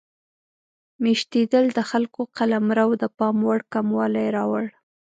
میشتېدل د خلکو قلمرو د پام وړ کموالی راوړ.